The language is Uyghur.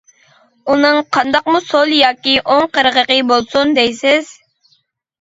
ئۇنىڭ قانداقمۇ سول ياكى ئوڭ قىرغىقى بولسۇن دەيسىز.